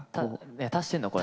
足してんのこれ。